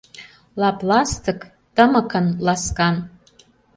Лап-ластык — тымыкын, ласкан.